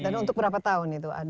dan untuk berapa tahun itu